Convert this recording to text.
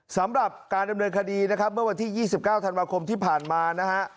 สำหรับการดำเนินคดีนะครับเมื่อวันที่๒๙ธันวาคมที่ผ่านมานะฮะ